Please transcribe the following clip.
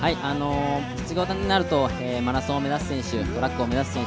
実業団になるとマラソンを目指す選手、トラックの選手、